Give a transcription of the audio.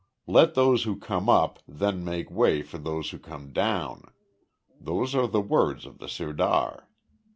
`Let those who come up then make way for those who come down.' Those are the words of the sirdar."